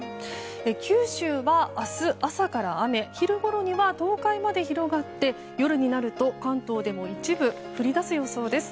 九州は明日朝から雨昼ごろには東海まで広がって夜になると関東でも一部降り出す予想です。